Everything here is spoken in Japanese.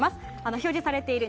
表示されています